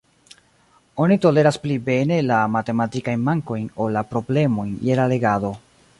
Oni toleras pli bene la matematikajn mankojn, ol la problemojn je la legado.